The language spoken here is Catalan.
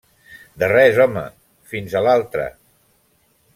De res, home. Fins a l'altra.